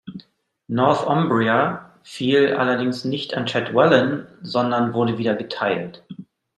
Northumbria fiel allerdings nicht an Cadwallon, sondern wurde wieder geteilt.